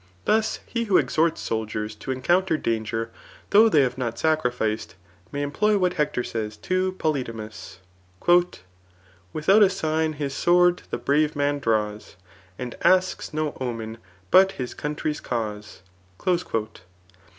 Thus he who exhorts sddiers to encounter daogert though they have not sacrificedt may employ [what Hector says to PoIydamas,3 Without a sign his sword the brave man draws* And asks no omen but his country's cause.'